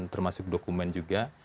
termasuk dokumen juga